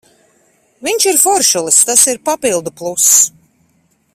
Viņš ir foršulis, tas ir papildu pluss.